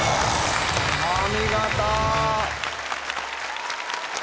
お見事。